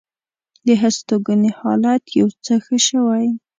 د هستوګنې حالت یو څه ښه شوی.